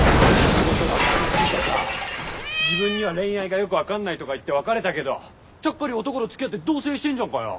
仕事が楽しいとか自分には恋愛がよく分かんないとか言って別れたけどちゃっかり男とつきあって同棲してんじゃんかよ！